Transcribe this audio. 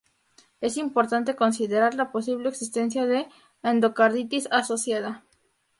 Es importante considerar la posible existencia de endocarditis asociada.